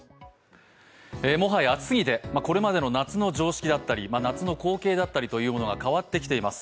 もはや暑すぎて、これまでの夏の常識だったり、夏の光景だったりというものが変わってきています、